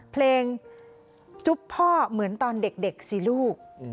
เพลงจุ๊บพ่อเหมือนตอนเด็กสิลูก